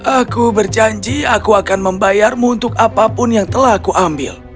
aku berjanji aku akan membayarmu untuk apapun yang telah aku ambil